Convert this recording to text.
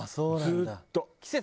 ずっと。